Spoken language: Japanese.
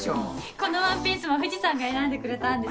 このワンピースも藤さんが選んでくれたんです。